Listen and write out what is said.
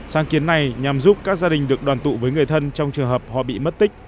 sáng kiến này nhằm giúp các gia đình được đoàn tụ với người thân trong trường hợp họ bị mất tích